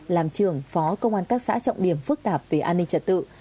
làm trưởng phó công an các xã trọng điểm phức tạp về an ninh trật tự